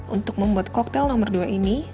untuk membuat koktel nomor dua ini